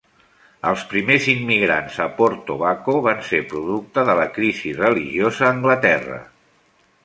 Els primers immigrants a Port Tobacco van ser producte de la crisi religiosa a Anglaterra.